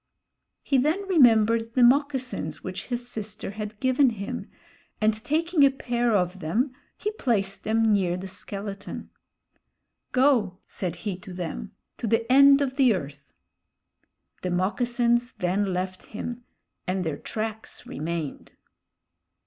He then remembered the moccasins which his sister had given him, and taking a pair of them, he placed them near the skeleton. "Go," said he to them, "to the end of the earth." The moccasins then left him, and their tracks remained.